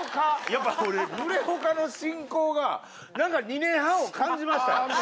やっぱ俺濡れ岡の進行がなんか２年半を感じましたよ。